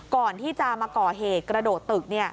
ก่อนที่จะมาก่อเหตุกระโดดตึก